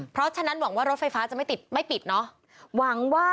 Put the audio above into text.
เพราะฉะนั้นหวังว่ารถไฟฟ้าจะไม่ติดไม่ปิดเนอะหวังว่า